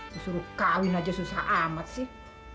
ya suruh kawin aja susah amat sih